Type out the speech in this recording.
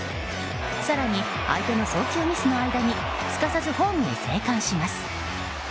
更に、相手の送球ミスの間にすかさずホームへ生還します。